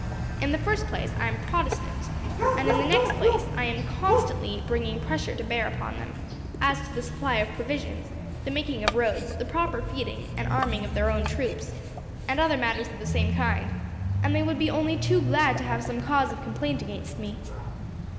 In the first place, I am a Protestant; and in the next place, I am constantly bringing pressure to bear upon them, as to the supply of provisions, the making of roads, the proper feeding and arming of their own troops, and other matters of the same kind; and they would be only too glad to have some cause of complaint against me.